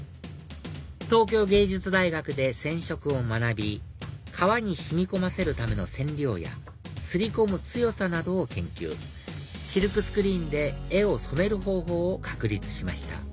東京藝術大学で染色を学び革に染み込ませるための染料や刷り込む強さなどを研究シルクスクリーンで絵を染める方法を確立しました